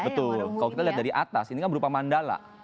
betul kalau kita lihat dari atas ini kan berupa mandala